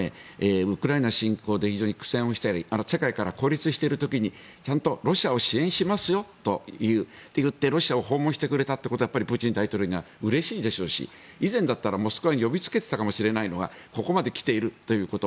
ウクライナ侵攻で非常に苦戦をしたり世界から孤立している時にちゃんとロシアを支援しますよと言ってロシアを訪問してくれたことはプーチン大統領はうれしいでしょうし以前だったらモスクワに呼びつけていたかもしれないのがここまで来ているということ。